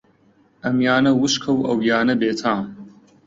ئەمیانە وشکە و ئەویانە بێتام